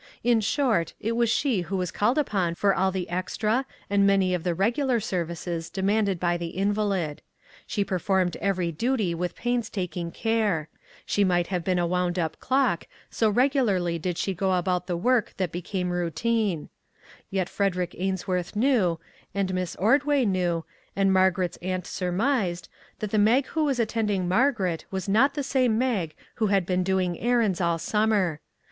In short, it was she who was called upon for all the extra and many of the regular services de manded by the invalid. She performed every duty with painstaking care; she might have been a wound up clock, so regularly did she go about the work that became routine ; yet Fred erick Ainsworth knew, and Miss Ordway knew, and Margaret's aunt surmised, that the Mag who was attending Margaret was not the same Mag who had been doing errands all summer.